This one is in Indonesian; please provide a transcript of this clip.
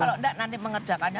kalau enggak nanti mengerjakannya